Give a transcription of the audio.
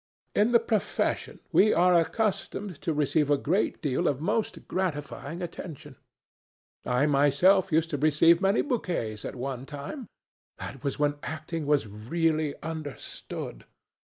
In the profession we are accustomed to receive a great deal of most gratifying attention. I myself used to receive many bouquets at one time. That was when acting was really understood.